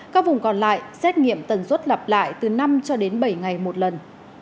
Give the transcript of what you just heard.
các vùng còn lại xét nghiệm tần suất lặp lại từ năm cho đến bảy ngày một lần